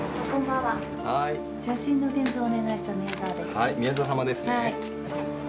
はい宮沢様ですね？